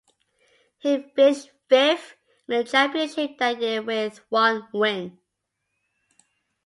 He finished fifth in the championship that year with one win.